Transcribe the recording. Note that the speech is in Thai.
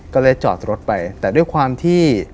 ก็เลยจอดรถไปแต่ด้วยความที่